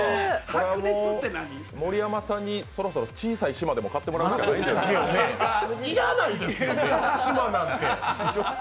盛山さんに、そろそろ小さい島でも買ってもらわないと。